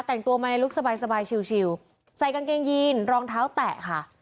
แต่งตัวมาในลุคสบายชิวใส่กางเกงยีนรองเท้าแตะค่ะ